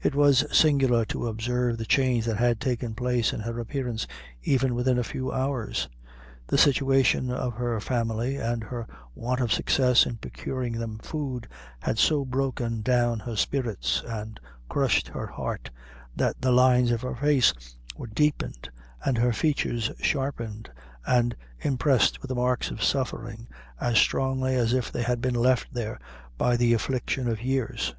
It was singular to observe the change that had taken place in her appearance even within a few hours; the situation of her family, and her want of success in procuring them food, had so broken down her spirits and crushed her heart, that the lines of her face were deepened and her features sharpened and impressed with the marks of suffering as strongly as if they had been left there by the affliction of years.